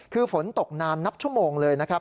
คือฝนตกนานนับชั่วโมงเลยนะครับ